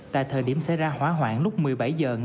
tại thời điểm xảy ra hỏa hoạn lúc một mươi bảy h